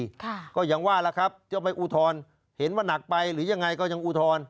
ค่ะก็อย่างว่าล่ะครับจะไม่อุทธรณ์เห็นว่านักไปหรือยังไงก็ยังอุทธรณ์